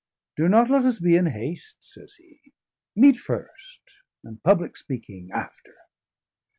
"Do not let us be in haste," says he. "Meat first and public speaking after."